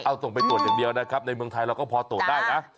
เอาส่งไปตรวจอย่างเดียวนะครับในเมืองไทยเราก็พอตรวจได้นะ